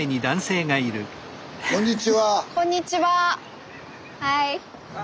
こんにちは。